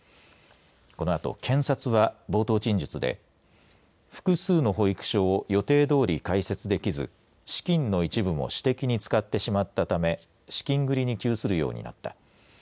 このあと検察は冒頭陳述で複数の保育所を予定どおり開設できず資金の一部も私的に使ってしまったため資金繰りに窮するようになった。